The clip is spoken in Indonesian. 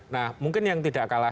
nah mungkin yang tidak kalah